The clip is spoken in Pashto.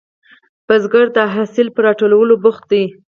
کروندګر د حاصل پر راټولولو بوخت دی